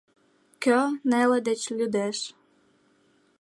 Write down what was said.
Кӧ неле деч лӱдеш